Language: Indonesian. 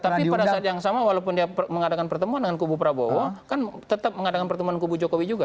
tapi pada saat yang sama walaupun dia mengadakan pertemuan dengan kubu prabowo kan tetap mengadakan pertemuan kubu jokowi juga